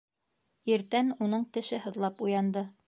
Иртән уның теше һыҙлап уянды.